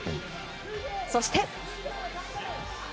そして。